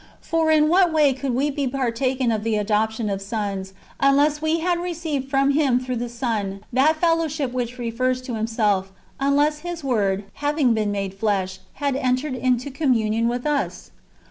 ^ For, in what way could we be partakers of the adoption of sons, unless we had received from Him through the Son that fellowship which refers to Himself, unless His Word, having been made flesh, had entered into communion with us